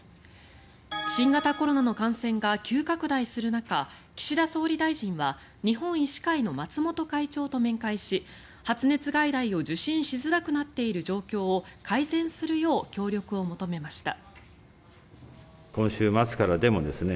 新型コロナの感染が急拡大する中岸田総理大臣は日本医師会の松本会長と面会し発熱外来を受診しづらくなっている状況を改善するよう協力を求めました。